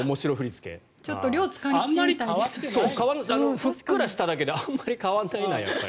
ふっくらしただけであまり変わらないのよ。